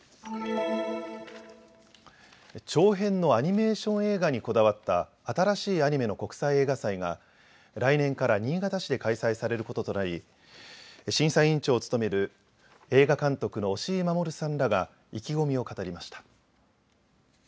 長編のアニメーション映画にこだわった新しいアニメの国際映画祭が来年から新潟市で開催されることとなり審査委員長を務める映画監督の押井守さんらが意気込みを語りました。